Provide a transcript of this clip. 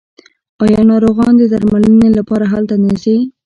آیا ناروغان د درملنې لپاره هلته نه ځي؟